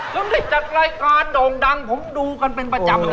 ผมได้จัดรายการโด่งดังผมดูกันเป็นประจำเลย